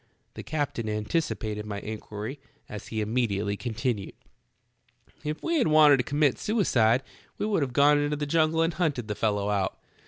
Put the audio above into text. The captain anticipated my inquiry, as he imme diately continued . "If we had wanted to commit suicide we would have gone into the jungle and hunted the fellow out.